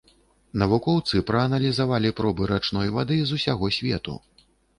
Навукоўцы прааналізавалі пробы рачной вады з усяго свету.